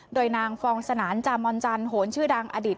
โดยนางฟองสนานจามอนจันโหนชื่อดังอดีต